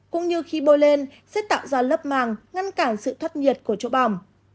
cũng như khi bôi lên sẽ tạo ra lớp màng ngăn cản sự thất nhiệt của chỗ bỏng